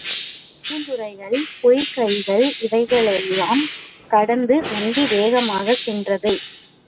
பூந்துறைகள், பொய்கைகள் இவைகளை யெல்லாம் கடந்து வண்டி வேகமாகச் சென்றது.